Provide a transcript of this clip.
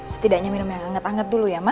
setidaknya minum yang anget anget dulu ya ma